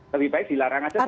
lebih baik dilarang saja